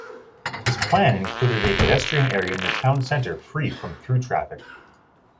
His plan included a pedestrian area in the town centre free from through traffic.